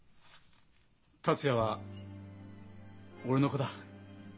達也は俺の子だ。